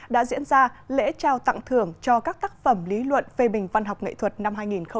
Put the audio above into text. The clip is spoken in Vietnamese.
đã diễn ra lễ trao tặng thưởng cho các tác phẩm lý luận phê bình văn học nghệ thuật năm hai nghìn một mươi chín